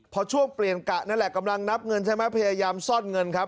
พอช่วงเปลี่ยนกะนั่นแหละกำลังนับเงินใช่ไหมพยายามซ่อนเงินครับ